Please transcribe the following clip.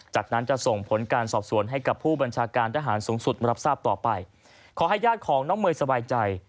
จากนั้นจะส่งผลการสอบสวนให้กับผู้บัญชาการทหารสูงสุดมารับทราบต่อไปขอให้ญาติของน้องเมย์สบายใจ